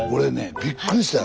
びっくりしてる。